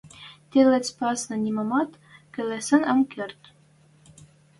— Тилец пасна нимамат келесен ам керд...